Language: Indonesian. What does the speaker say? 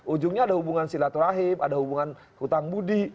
ujungnya ada hubungan silaturahim ada hubungan hutang budi